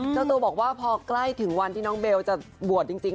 เจ้าตัวบอกว่าพอใกล้ถึงวันที่น้องเบลจะบวชจริง